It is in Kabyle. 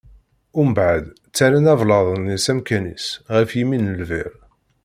Mbeɛd, ttarran ablaḍ-nni s amkan-is, ɣef yimi n lbir.